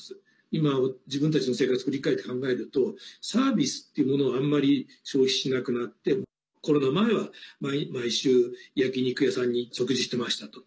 今、自分たちの生活を振り返って考えるとサービスっていうものをあんまり消費しなくなってコロナ前は毎週、焼き肉屋さんに食事してましたと。